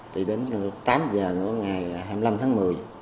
từ đến tám h nửa ngày hai mươi năm tháng một mươi